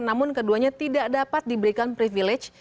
namun keduanya tidak dapat diberikan privilege